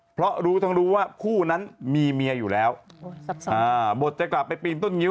เพราะรู้ทั้งรู้ว่าคู่นั้นมีเมียอยู่แล้วบทจะกลับไปปีนต้นงิ้